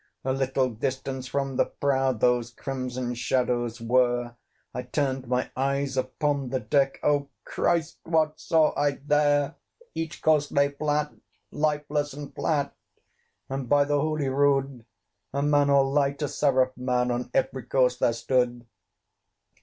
A little distance from the prow Those crimson shadows were: I turned my eyes upon the deck Oh, Christ! what saw I there! Each corse lay flat, lifeless and flat, And, by the holy rood! A man all light, a seraph man, On every corse there stood.